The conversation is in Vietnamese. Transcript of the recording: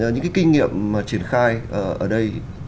những kinh nghiệm mà triển khai ở đây